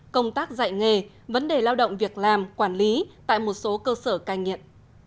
công tác dạy nghề vấn đề lao động việc làm quản lý tại một số cơ sở cai nghiện